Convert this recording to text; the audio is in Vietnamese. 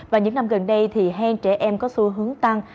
và những năm gần đây thì hang trẻ em có xu hướng tăng